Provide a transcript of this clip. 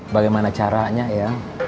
bagaimana caranya ya